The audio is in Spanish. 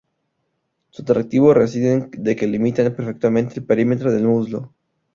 Su atractivo reside en que delimitan perfectamente el perímetro del muslo.